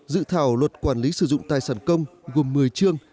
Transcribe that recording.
dự thảo luật quản lý sử dụng tài sản công gồm một mươi chương